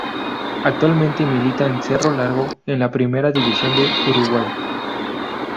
Actualmente milita en Cerro Largo en la Primera División de Uruguay.